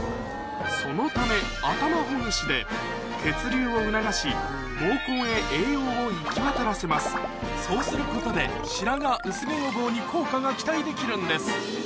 そのため頭ほぐしで血流を促し毛根へ栄養を行きわたらせますそうすることで白髪薄毛予防に効果が期待できるんです